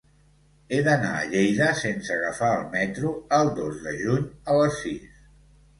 He d'anar a Lleida sense agafar el metro el dos de juny a les sis.